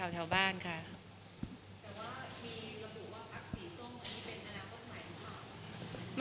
และว่ามีระบุว่าพรรคสีส้มมันไม่เป็นอนาคตใหม่ไหมครับ